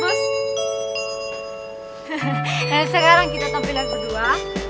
bos sekarang kita tampilkan kedua